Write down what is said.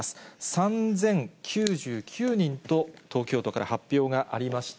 ３０９９人と、東京都から発表がありました。